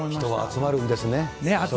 集まるんですね。